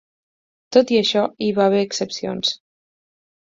Tot i això, hi va haver excepcions.